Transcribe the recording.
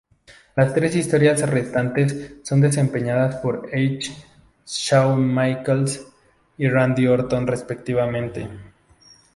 Las tres historias restantes son desempeñadas por Edge, Shawn Michaels y Randy Orton respectivamente.